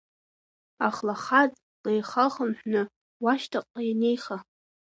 Ахлахаҵ леилахынҳәны уашьҭахьҟа ианеиха…